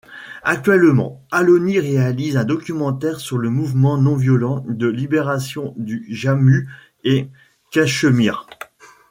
Actuellement Aloni réalise un documentaire sur le mouvement non violent de libération du Jammu-et-Cachemire.